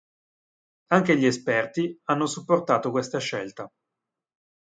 Anche gli esperti hanno supportato questa scelta.